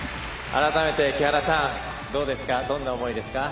改めて、木原さんどんな思いですか？